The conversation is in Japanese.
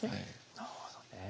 なるほどね。